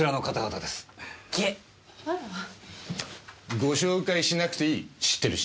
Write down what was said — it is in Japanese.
ご紹介しなくていい知ってるし。